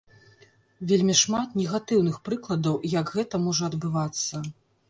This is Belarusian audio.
Вельмі шмат негатыўных прыкладаў, як гэта можа адбывацца.